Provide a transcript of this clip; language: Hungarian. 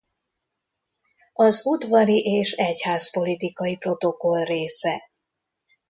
Az udvari és egyházpolitikai protokoll része.